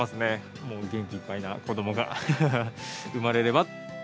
もう元気いっぱいな子どもが生まれれば。